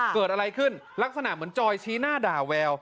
เกิดอะไรขึ้นลักษณะเหมือนจอยชี้หน้าด่าแวว